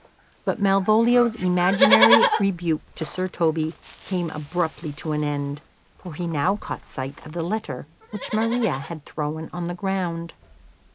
But Malvolio's imaginary rebuke to Sir Toby came abruptly to an end, for he now caught sight of the letter which Maria had thrown on the ground.